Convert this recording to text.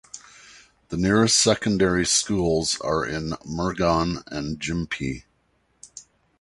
The nearest secondary schools are in Murgon and Gympie.